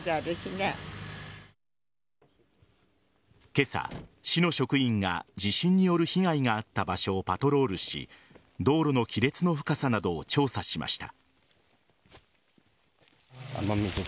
今朝、市の職員が地震による被害があった場所をパトロールし道路の亀裂の深さなどを調査しました。